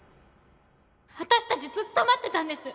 私たちずっと待ってたんです。